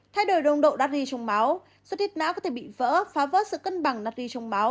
thay đổi đồng độ đắt ri trong máu xuất huyết não có thể bị vỡ phá vớt sự cân bằng đắt ri trong máu